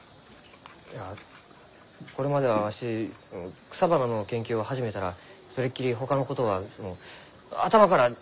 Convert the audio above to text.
いやこれまではわし草花の研究を始めたらそれっきりほかのことは頭から全部かき消えました。